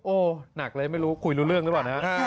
โอ้หนักเลยไม่รู้คุยรู้เรื่องด้วยก่อนนะ